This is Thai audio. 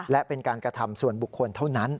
และเป็นการกระทำส่วนบุคคลเท่านั้น